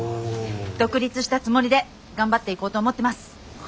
独立したつもりで頑張っていこうと思ってます。